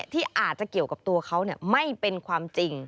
ที่อาจจะเกี่ยวกับตัวเขาไม่เป็นความจริง